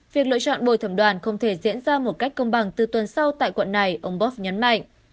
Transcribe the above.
việc lựa chọn bồi thẩm đoàn không thể diễn ra một cách công bằng từ tuần sau tại quận này ông bóp nhấn mạnh